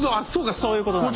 そういうことなんです。